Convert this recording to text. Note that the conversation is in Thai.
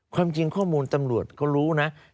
ความจริงข้อมูลตำรวจเขารู้นะ